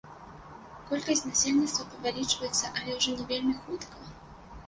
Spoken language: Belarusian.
Колькасць насельніцтва павялічваецца, але ўжо не вельмі хутка.